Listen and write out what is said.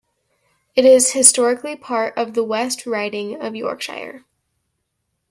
It is historically part of the West Riding of Yorkshire.